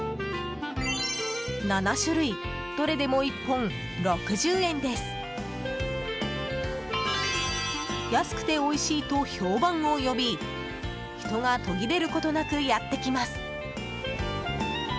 ７種類どれでも１本６０円です！安くておいしいと評判を呼び人が途切れることなくやってきます。